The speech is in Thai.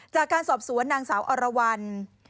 จากการสอบสวนนางสาวอรวรรณ